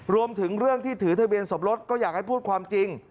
รวมถึงเรื่องที่ถือทะเบียนสมรสก็อยากให้พูดความจริง